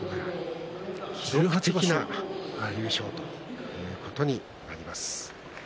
記録的な優勝ということになります。